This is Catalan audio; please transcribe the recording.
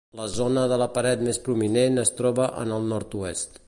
La zona de la paret més prominent es troba en el nord-oest.